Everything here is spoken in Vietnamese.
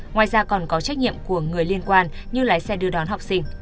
ngoài ra còn có trách nhiệm của người liên quan như lái xe đưa đón học sinh